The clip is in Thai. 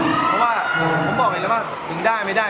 เพราะว่าผมบอกอย่างนี้แล้วว่ามึงได้ไม่ได้